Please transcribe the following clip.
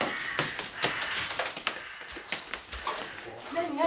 何何？